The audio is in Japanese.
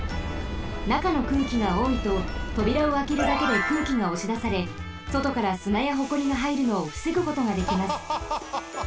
なかの空気がおおいととびらをあけるだけで空気がおしだされそとからすなやホコリがはいるのをふせぐことができます。